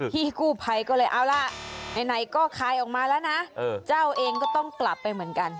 พี่กู้ภัยก็เลยเอาล่ะไหนก็คลายออกมาแล้วนะเจ้าเองก็ต้องกลับไปเหมือนกัน